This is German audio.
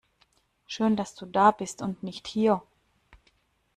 Schön dass du da bist und nicht hier!